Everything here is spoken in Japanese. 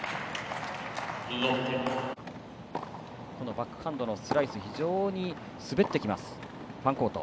バックハンドのスライスは非常に滑ってくるファンコート。